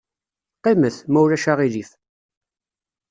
Qqimet, ma ulac aɣilif.